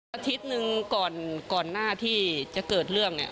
อาทิตย์หนึ่งก่อนก่อนหน้าที่จะเกิดเรื่องเนี่ย